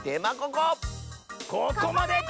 ここまで！